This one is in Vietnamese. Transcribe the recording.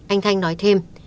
anh thanh nói thêm